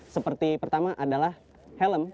seperti pertama adalah helm